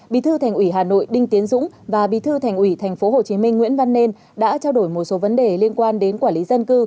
bí thư thành ủy hà nội đinh tiến dũng và bí thư thành ủy tp hcm nguyễn văn nên đã trao đổi một số vấn đề liên quan đến quản lý dân cư